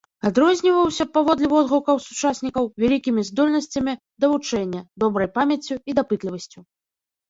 Адрозніваўся, паводле водгукаў сучаснікаў, вялікімі здольнасцямі да вучэння, добрай памяццю і дапытлівасцю.